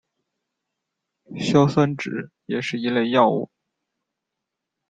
硝酸酯也是一类药物。